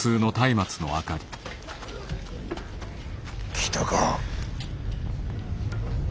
来たか。